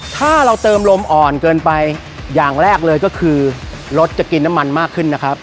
ถ้าเราเติมลมอ่อนเกินไปอย่างแรกเลยก็คือรถจะกินน้ำมันมากขึ้นนะครับ